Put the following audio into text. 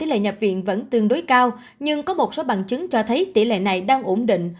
đại viện vẫn tương đối cao nhưng có một số bằng chứng cho thấy tỷ lệ này đang ổn định